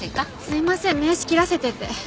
すいません名刺切らせてて。